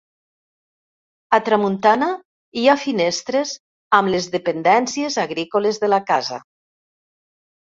A tramuntana hi ha finestres amb les dependències agrícoles de la casa.